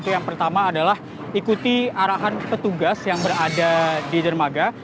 yang pertama adalah ikuti arahan petugas yang berada di dermaga